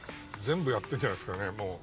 全部やってんじゃないですかねもう。